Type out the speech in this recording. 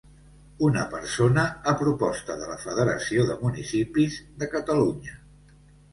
Una persona a proposta de la Federació de Municipis de Catalunya.